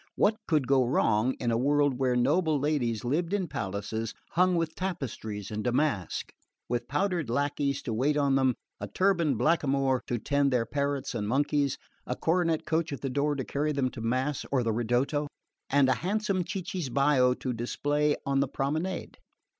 What could go wrong in a world where noble ladies lived in palaces hung with tapestry and damask, with powdered lacqueys to wait on them, a turbaned blackamoor to tend their parrots and monkeys, a coronet coach at the door to carry them to mass or the ridotto, and a handsome cicisbeo to display on the promenade?